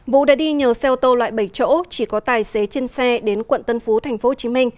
vũ đã đi nhờ xe ô tô loại bảy chỗ chỉ có tài xế trên xe đến quận tân phú tp hcm